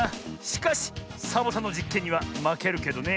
しかしサボさんのじっけんにはまけるけどね。